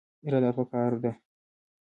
اراده پکار ده